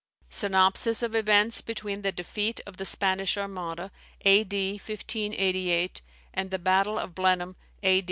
SYNOPSIS OF EVENTS BETWEEN THE DEFEAT OF THE SPANISH ARMADA, A.D. 1588; AND THE BATTLE OF BLENHEIM, A.